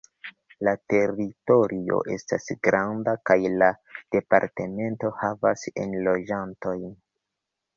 La teritorio estas granda, kaj la departemento havas enloĝantojn.